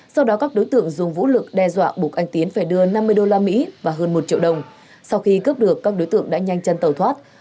sau đó các đối tượng dùng vũ lực đe dọa buộc anh tiến phải đưa năm mươi usd và hơn một triệu đồng sau khi cướp được các đối tượng đã nhanh chân tàu thoát